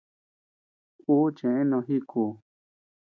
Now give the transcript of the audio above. Ú cheʼë no jíku.